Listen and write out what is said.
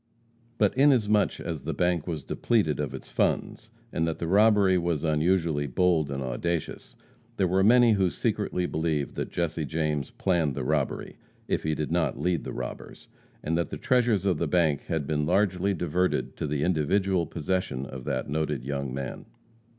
But inasmuch as the bank was depleted of its funds, and that the robbery was unusually bold and audacious, there were many who secretly believed that Jesse James planned the robbery, if he did not lead the robbers, and that the treasures of the bank had been largely diverted to the individual possession of that noted young man.